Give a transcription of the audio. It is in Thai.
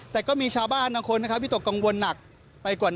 แต่ก็มีชาวบ้านบางคนนะครับวิตกกังวลหนักไปกว่านี้